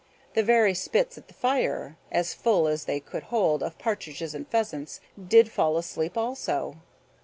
The very spits at the fire, as full as they could hold of partridges and pheasants, did fall asleep also.